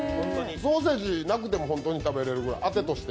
ソーセージなくても本当に食べられるぐらい。